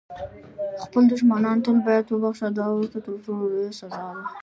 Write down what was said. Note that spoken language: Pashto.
خپل دښمنان تل باید وبخښه، دا ورته تر ټولو لویه سزا ده.